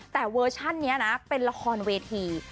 แต่เวอร์ชันนี้นะเป็นละครเวที